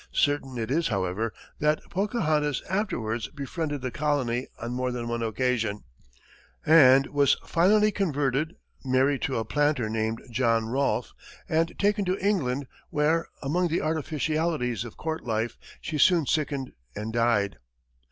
Certain it is, however, that Pocahontas afterwards befriended the colony on more than one occasion; and was finally converted, married to a planter named John Rolfe, and taken to England, where, among the artificialities of court life, she soon sickened and died.